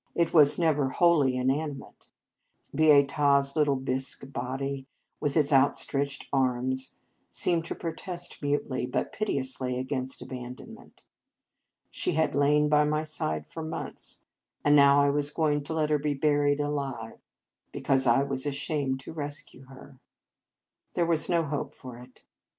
It was never wholly inanimate. Beata s little bisque body, with its outstretched arms, seemed to protest mutely but pite ously against abandonment. She had lain by my side for months, and now I was going to let her be buried alive, because I was ashamed to rescue her. There was no help for it.